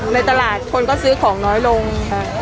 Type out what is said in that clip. ในตลาดคนก็ซื้อของน้อยลงค่ะ